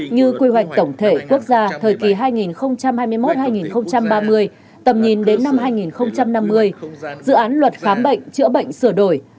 như quy hoạch tổng thể quốc gia thời kỳ hai nghìn hai mươi một hai nghìn ba mươi tầm nhìn đến năm hai nghìn năm mươi dự án luật khám bệnh chữa bệnh sửa đổi